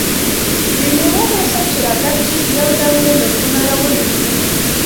دمېوو موسم چې را ګډ شي، یو دم یې نرخونه را ولوېږي.